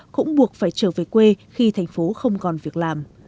cũng buộc phải trở về quê khi thành phố không còn việc làm